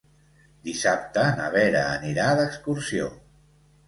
Dissabte na Vera anirà d'excursió.